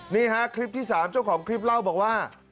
นี่ฮะคลิปที่๓เจ้าของคลิปเล่าบอกว่า